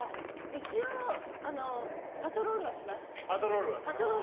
一応パトロールはします。